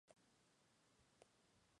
Ficha del álbum en allmusic.com